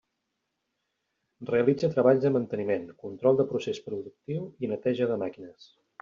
Realitza treballs de manteniment, control de procés productiu i neteja de màquines.